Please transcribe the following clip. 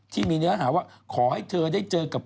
ที่มีเนื้อหาว่าขอให้เธอได้เจอกับ